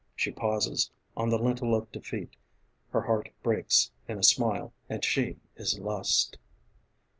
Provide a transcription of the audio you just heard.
She pauses, on the lintel of defeat, Her heart breaks in a smile and she is Lust